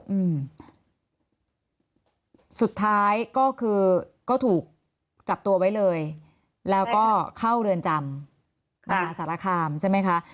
อืมสุดท้ายก็คือก็ถูกจับตัวไว้เลยแล้วก็เข้าเรือนจำมหาสารคามใช่ไหมคะ